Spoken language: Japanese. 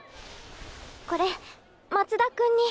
これ松田君に。